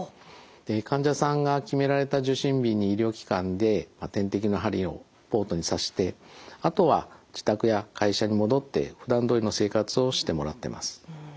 で患者さんが決められた受診日に医療機関で点滴の針をポートに刺してあとは自宅や会社に戻ってふだんどおりの生活をしてもらってます。